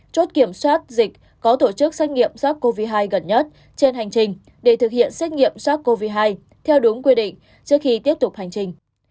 chốt kiểm soát dịch có tổ chức xét nghiệm sars cov hai gần nhất trên hành trình để thực hiện xét nghiệm sars cov hai theo đúng quy định trước khi tiếp tục hành trình